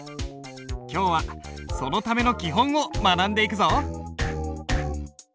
今日はそのための基本を学んでいくぞ。